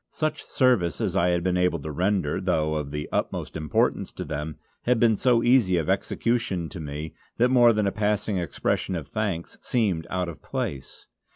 Such service as I had been able to render, though of the utmost importance to them, had been so easy of execution to me that more than a passing expression of thanks seemed out of place.